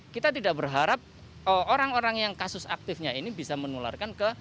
kita tidak berharap orang orang yang kasus aktifnya ini bisa menularkan ke